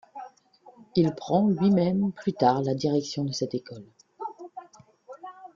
Il prend lui-même plus tard la direction de cette école.